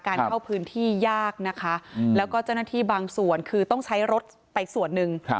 เข้าพื้นที่ยากนะคะแล้วก็เจ้าหน้าที่บางส่วนคือต้องใช้รถไปส่วนหนึ่ง